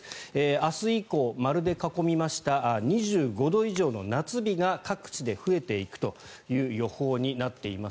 明日以降、丸で囲みました２５度以上の夏日が各地で増えていくという予報になっています。